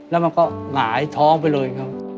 แล้วมันก็หงายท้องไปเลยครับ